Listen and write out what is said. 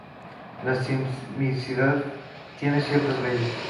La sismicidad tiene ciertas leyes.